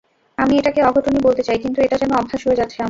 আমি এটাকে অঘটনই বলতে চাই, কিন্তু এটা যেন অভ্যাস হয়ে যাচ্ছে আমাদের।